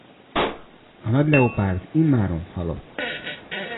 A nagy leopárd immáron halott.